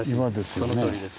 そのとおりです。